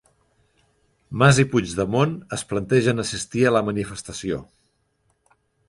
Mas i Puigdemont es plantegen assistir a la manifestació.